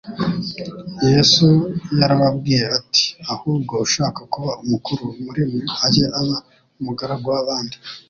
Yesu yarababwiye ati: "Ahubwo ushaka kuba mukuru muri mwe ajye aba umugaragu w'abandi